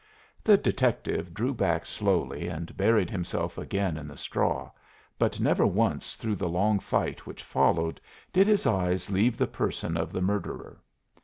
The detective drew back slowly and buried himself again in the straw, but never once through the long fight which followed did his eyes leave the person of the murderer.